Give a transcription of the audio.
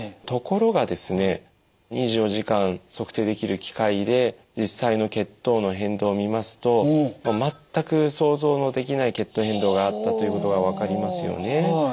ところがですね２４時間測定できる機械で実際の血糖の変動を見ますと全く想像のできない血糖変動があったということが分かりますよね。